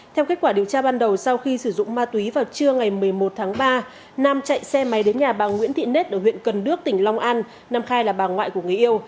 theo kết quả điều tra ban đầu sau khi sử dụng ma túy vào trưa ngày một mươi một tháng ba nam chạy xe máy đến nhà bà nguyễn thị nết ở huyện cần đước tỉnh long an nam khai là bà ngoại của người yêu